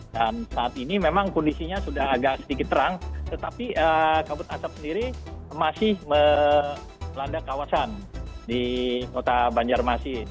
dan saat ini memang kondisinya sudah agak sedikit terang tetapi kabut asap sendiri masih melanda kawasan di kota banjarmasin